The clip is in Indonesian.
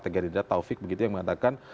tegarida taufik yang mengatakan